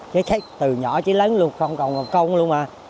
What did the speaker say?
chứ khách từ nhỏ chứ lớn luôn không còn công luôn mà